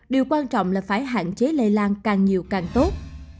điều quan trọng là phải hạn chế lây lan càng nhiều càng tốt